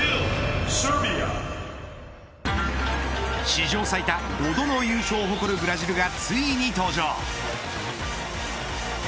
史上最多５度の優勝を誇るブラジルがついに登場。